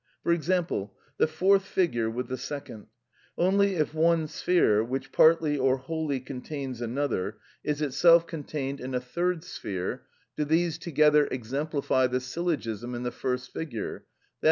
For example, the fourth figure with the second. Only if one sphere, which partly or wholly contains another, is itself contained in a third sphere, do these together exemplify the syllogism in the first figure, _i.